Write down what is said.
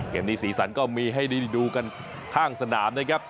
เกมนี้ศีลสันก็มีให้ดูกันข้างสนามนะครับ